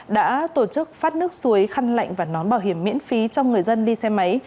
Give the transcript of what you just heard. đã đưa xuối khăn lạnh và nón bảo hiểm miễn phí cho người dân đi xe máy